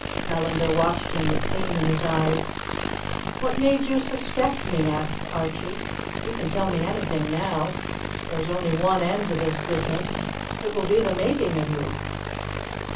Callandar watched him with pain in his eyes. "What made you suspect me?" asked Archie. "You can tell me anything now. There is only one end to this business. It will be the making of you."